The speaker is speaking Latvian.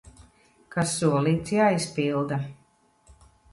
Kas solīts, jāizpilda!